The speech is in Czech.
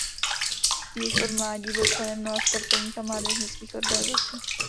Již od mládí byl členem mnoha sportovních a mládežnických organizací.